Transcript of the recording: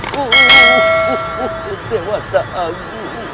dewa tak abu